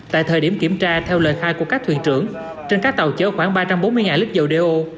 tại thời điểm kiểm tra theo lời khai của các thuyền trưởng trên các tàu chở khoảng ba trăm bốn mươi lít dầu đeo